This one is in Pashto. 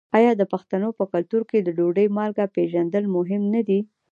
آیا د پښتنو په کلتور کې د ډوډۍ مالګه پیژندل مهم نه دي؟